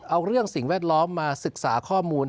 เอาเรื่องสิ่งแวดล้อมมาศึกษาข้อมูล